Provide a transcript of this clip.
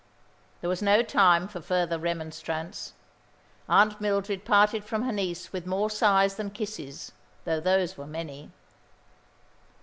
There was no time for further remonstrance. Aunt Mildred parted from her niece with more sighs than kisses, though those were many.